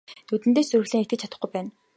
Нүдэндээ ч зүрхлэн итгэж чадахгүй байна.